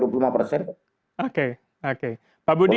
oke oke pak budi